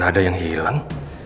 gak ada yang hilang